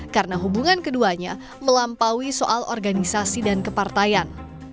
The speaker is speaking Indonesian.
karena hubungan keduanya melampaui soal organisasi dan kepartaian